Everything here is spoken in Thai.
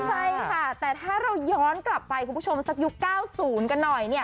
ใช่ค่ะแต่ถ้าเราย้อนกลับไปคุณผู้ชมสักยุค๙๐กันหน่อยเนี่ย